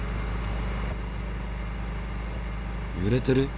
ゆれてる？